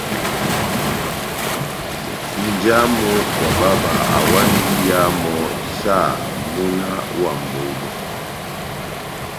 Nja wamu wa bába awandi iya mɔ́ saha múna wa momó.